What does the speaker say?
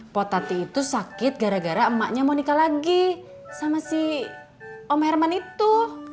potati itu sakit gara gara emaknya mau nikah lagi sama si om herman itu